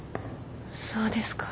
そうですか。